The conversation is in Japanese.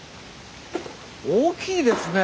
大きいですね。